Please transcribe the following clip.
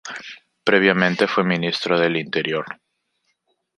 Previamente, fue ministro del interior.